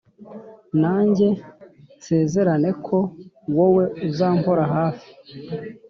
nanjye nsezerane ko wowe uzampora hafi